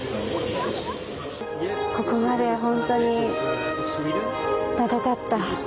ここまで本当に長かった。